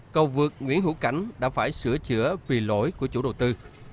cầu vượt nguyễn hữu cảnh đã phải sửa chữa vì lỗi của chủ đầu tư